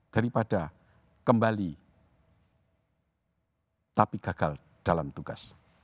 daripada kembali tapi gagal dalam tugas